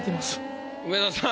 梅沢さん。